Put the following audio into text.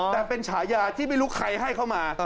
แต่เป็นฉายาที่ไม่รู้ใครให้เข้ามา